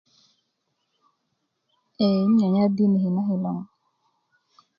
ee nan nyanyar diniki' na kilo ŋo